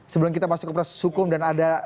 sebelum kita masuk ke proses hukum dan ada